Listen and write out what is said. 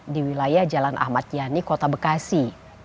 di wilayah jalan ahmad yani kota bekasi